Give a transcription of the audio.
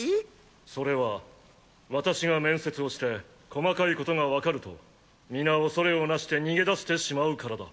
それは私が面接をして細かいことがわかると皆恐れをなして逃げ出してしまうからだ。